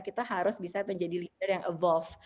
kita harus bisa menjadi leader yang avolve